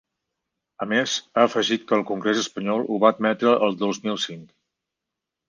A més, ha afegit que el congrés espanyol ho va admetre el dos mil cinc.